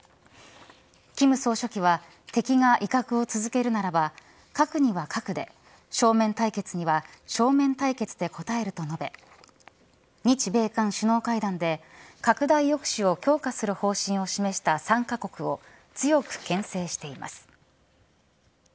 金総書記は敵が威嚇を続けるならば核には核で正面対決には正面対決で答えると述べ日米韓首脳会談で拡大抑止を強化する方針を示した３カ国を強くけん制しています。